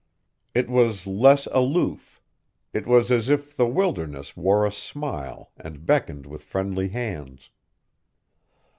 It was less aloof; it was as if the wilderness wore a smile and beckoned with friendly hands.